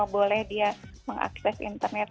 boleh dia mengakses internet